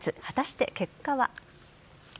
果たして結果は。